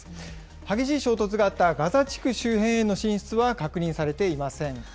激しい衝突があったガザ地区周辺への進出は確認されていません。